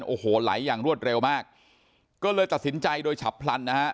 โอ้โหไหลอย่างรวดเร็วมากก็เลยตัดสินใจโดยฉับพลันนะฮะ